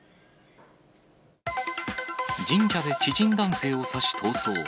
神社で知人男性を刺し逃走。